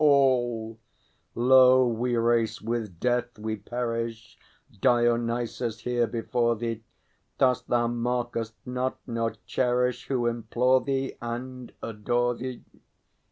All. Lo, we race with death, we perish, Dionysus, here before thee! Dost thou mark us not, nor cherish, Who implore thee, and adore thee?